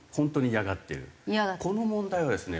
この問題はですね